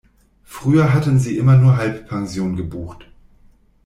Früher hatten sie immer nur Halbpension gebucht.